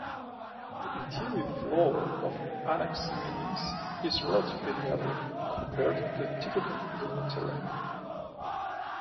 The interior floor of Anaximenes is relatively level, compared to the typical lunar terrain.